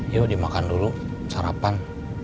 yuk dimakan dulu sarapan